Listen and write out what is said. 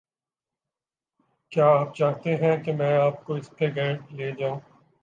کیا آپ چاہتے ہیں کہ میں آپ کو اس کے گھر لے جاؤں؟